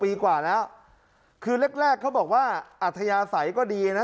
ปีกว่าแล้วคือแรกแรกเขาบอกว่าอัธยาศัยก็ดีนะ